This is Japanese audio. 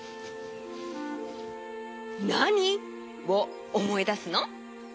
「なに」をおもいだすの？